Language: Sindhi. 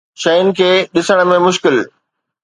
شين کي ڏسڻ ۾ مشڪل